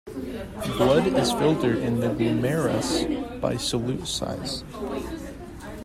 Blood is filtered in the glomerulus by solute size.